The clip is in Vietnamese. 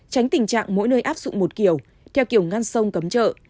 tránh tình trạng mỗi nơi áp dụng một kiểu theo kiểu ngăn sông cấm chợ